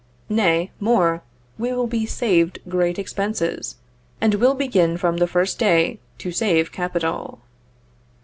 Nay, more, we will be saved great expenses, and will begin from the first day to save capital.